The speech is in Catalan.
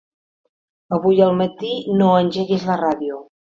Avui al matí no engeguis la ràdio.